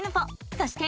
そして。